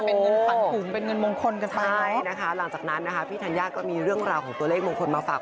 โอ้โหคือค่าโอ้โหใช่นะคะหลังจากนั้นนะคะพี่ธัญญาก็มีเรื่องราวของตัวเลขมงคลมาฝาก